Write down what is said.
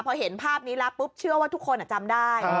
พอเห็นภาพนี้แล้วปุ๊บเชื่อว่าทุกคนจำได้